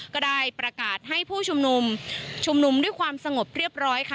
ก็ได้ประกาศให้ผู้ชุมนุมชุมนุมด้วยความสงบเรียบร้อยค่ะ